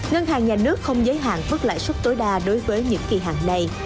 ngân hàng nhà nước không giới hạn mức lãi suất tối đa đối với những kỳ hạn này